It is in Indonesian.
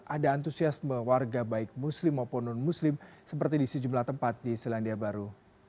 ada antusiasme warga baik muslim maupun non muslim seperti di sejumlah tempat di selandia baru